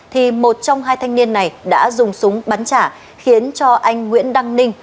thì một trong hai thanh niên này đã dùng súng bắn trả khiến cho anh nguyễn đăng ninh